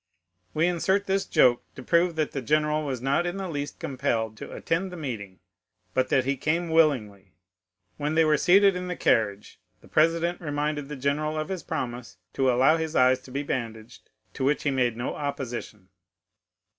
We insert this joke to prove that the general was not in the least compelled to attend the meeting, but that he came willingly. When they were seated in the carriage the president reminded the general of his promise to allow his eyes to be bandaged, to which he made no opposition.